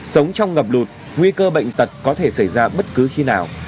sống trong ngập lụt nguy cơ bệnh tật có thể xảy ra bất cứ khi nào